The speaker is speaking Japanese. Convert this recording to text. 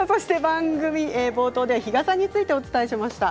番組冒頭では日傘についてお伝えしました。